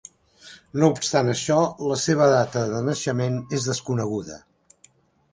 No obstant això, la seva data de naixement és desconeguda.